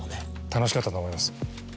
楽しかったと思います。